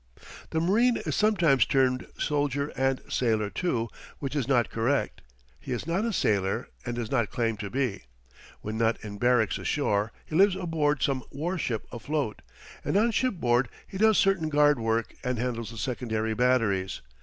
The marine is sometimes termed soldier and sailor too, which is not correct. He is not a sailor and does not claim to be. When not in barracks ashore he lives aboard some war ship afloat; and on shipboard he does certain guard work and handles the secondary batteries.